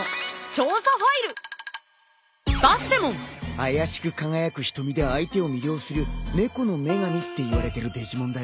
妖しく輝く瞳で相手を魅了する猫の女神っていわれてるデジモンだよ。